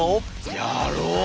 やろう！